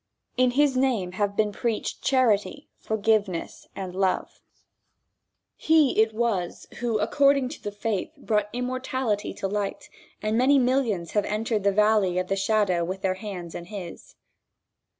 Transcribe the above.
In his name have been preached charity, forgiveness and love. He it was, who according to the faith, brought immortality to light, and many millions have entered the valley of the shadow with their hands in his.